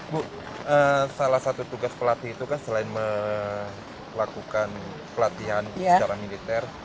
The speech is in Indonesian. bu salah satu tugas pelatih itu kan selain melakukan pelatihan secara militer